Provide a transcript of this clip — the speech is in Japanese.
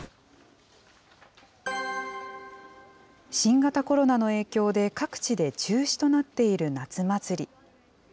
新型コロナの影響で、各地で中止となっている夏祭り。